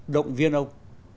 động viên ông